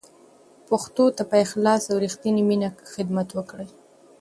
پښتو ته په اخلاص او رښتینې مینه خدمت وکړئ.